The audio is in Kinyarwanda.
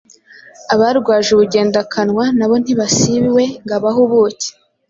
Abarwaje ubugendakanwa na bo ntibasiba iwe ngo abahe ubuki.